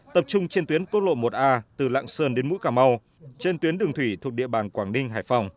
tập trung trên tuyến quốc lộ một a từ lạng sơn đến mũi cà mau trên tuyến đường thủy thuộc địa bàn quảng ninh hải phòng